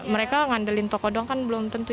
mereka ngandelin toko doang kan belum tentu